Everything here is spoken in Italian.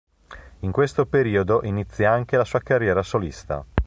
In questo periodo inizia anche la sua carriera solista.